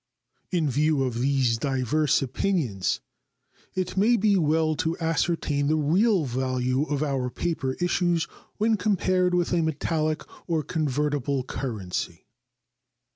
In view of these diverse opinions, it may be well to ascertain the real value of our paper issues when compared with a metallic or convertible currency.